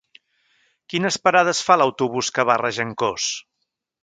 Quines parades fa l'autobús que va a Regencós?